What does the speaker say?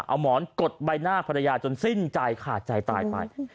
เอาหมอนกดใบหน้าภรรยาจนสิ้นใจขาดใจตายไป